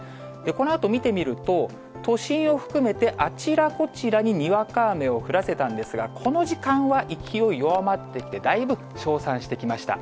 このあと見てみると、都心を含めて、あちらこちらににわか雨を降らせたんですが、この時間は勢い弱まってきて、だいぶ消散してきました。